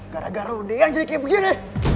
gara gara lo deyan jadi kayak begini